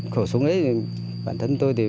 khẩu súng ấy bản thân tôi thì